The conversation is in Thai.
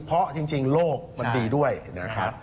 เพราะจริงโลกมันดีด้วยนะครับ